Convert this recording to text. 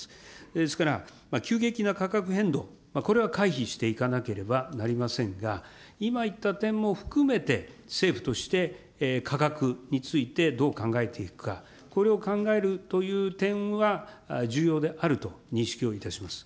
ですから急激な価格変動、これは回避していかなければなりませんが、今言った点も含めて、政府として価格についてどう考えていくか、これを考えるという点は重要であると認識をいたします。